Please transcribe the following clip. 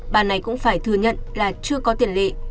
bà này cũng phải thừa nhận là chưa có tiền lệ